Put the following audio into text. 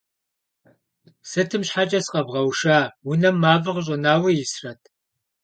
Сытым щхьэкӀэ сыкъэвгъэуша? Унэм мафӀэ къыщӀэнауэ исрэт?!